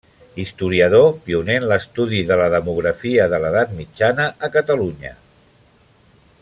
Historiador, pioner en l'estudi de la demografia de l'edat mitjana a Catalunya.